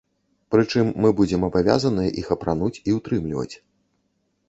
Прычым мы будзем абавязаныя іх апрануць і ўтрымліваць.